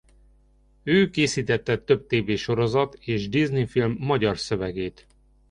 Ő készítette több tv-sorozat és Disney-film magyar szövegét.